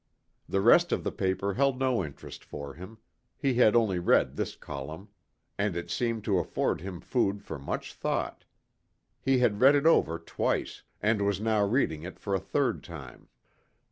The rest of the paper held no interests for him; he had only read this column, and it seemed to afford him food for much thought. He had read it over twice, and was now reading it for a third time.